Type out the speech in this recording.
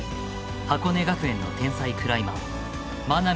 箱根学園の天才クライマー真波